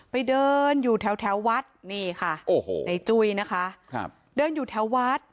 ไปเดินอยู่แถวแถววัดนี่ค่ะโอ้โหในจุ้ยนะคะครับเดินอยู่แถววัด